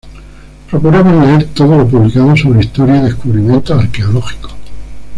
Procuraban leer todo lo publicado sobre Historia y descubrimientos arqueológicos.